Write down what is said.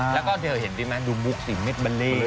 แล้วก็เธอเห็นดิมั้ยดูมุกสีเม็ดบันเล่ง